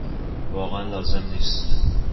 واقعا لازم نیست.